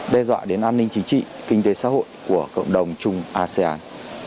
đe dọa đến an ninh chính trị kinh tế xã hội của cộng đồng chung asean